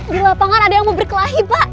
di lapangan ada yang mau berkelahi pak